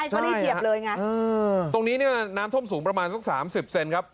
ใช่ครับตรงนี้น้ำท่วมสูงประมาณสัก๓๐เซนติเซนครับ